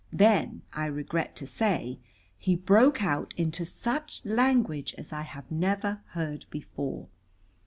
Then, I regret to say, he broke out into such language as I have never heard before.